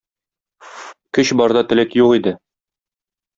Көч барда теләк юк иде.